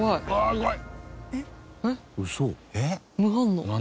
すごい。